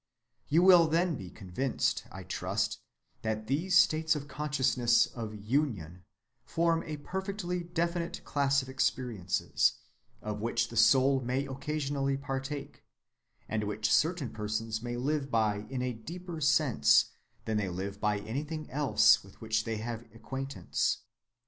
You will then be convinced, I trust, that these states of consciousness of "union" form a perfectly definite class of experiences, of which the soul may occasionally partake, and which certain persons may live by in a deeper sense than they live by anything else with which they have acquaintance.